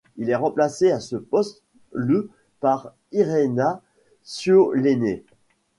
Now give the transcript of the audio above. Il est remplacé à ce poste le par Irena Šiaulienė.